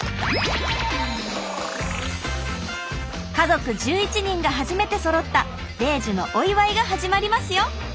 家族１１人が初めてそろった米寿のお祝いが始まりますよ！